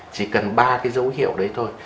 chỉ cần ba cái dấu hiệu đấy thôi